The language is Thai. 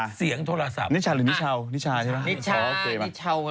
ปิดเสียงโทรศัพท์นิชาหรือนิเชานิเชาใช่มั้ย